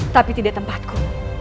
tapi tidak tempatku